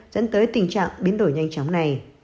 dẫn tới tình trạng biến đổi nhanh chóng này